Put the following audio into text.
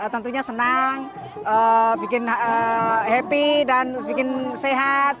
tentunya senang bikin happy dan bikin sehat